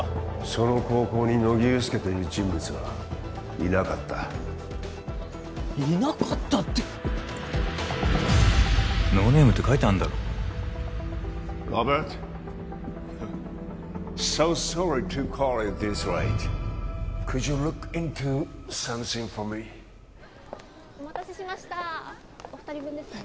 その高校に乃木憂助という人物はいなかったいなかったって・「ｎｏｎａｍｅ」って書いてあんだろお待たせしましたお二人分ですね